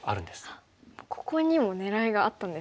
あっここにも狙いがあったんですか？